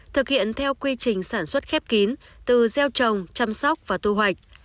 thực hiện theo quy trình sản xuất khép kín từ gieo trồng chăm sóc và thu hoạch